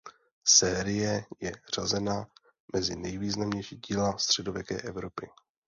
Série je řazena mezi nejvýznamnější díla středověké Evropy.